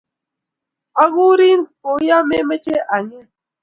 akorin kuyo memeche anget